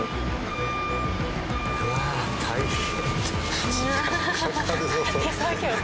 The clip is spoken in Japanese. うわあ大変。